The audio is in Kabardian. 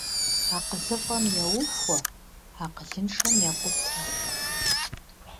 АкъылыфӀэм еухуэ, акъылыншэм екъутэ.